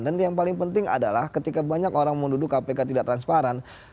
yang paling penting adalah ketika banyak orang mendudu kpk tidak transparan